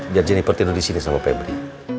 biar jennifer tidur disini sama febri